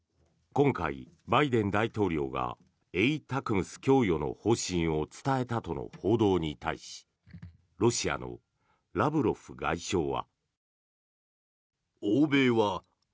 今回、バイデン大統領がＡＴＡＣＭＳ供与の方針を伝えたとの報道に対しロシアのラブロフ外相は。